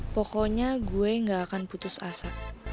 pokoknya gue gak akan putus asa